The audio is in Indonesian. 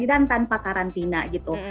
dan tanpa karantina gitu